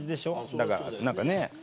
だから何かねぇ。